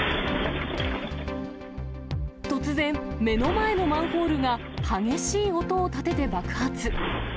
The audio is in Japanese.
突然、目の前のマンホールが激しい音を立てて爆発。